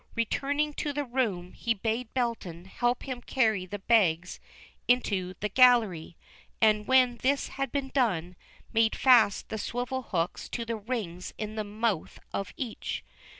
Returning to the room, he bade Belton help him carry the bags into the gallery, and, when this had been done, made fast the swivel hooks to the rings in the mouth of each.